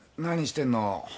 何してんの？